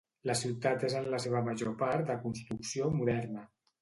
La ciutat és en la seva major part de construcció moderna.